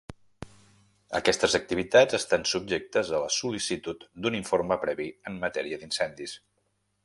Aquestes activitats estan subjectes a la sol·licitud d'un informe previ en matèria d'incendis.